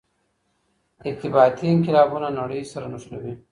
ارتباطي انقلابونه نړۍ سره نښلوي.